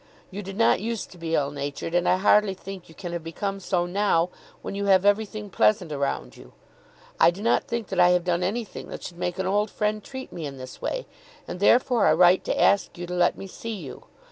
You did not use to be ill natured, and I hardly think you can have become so now when you have everything pleasant around you. I do not think that I have done anything that should make an old friend treat me in this way, and therefore I write to ask you to let me see you.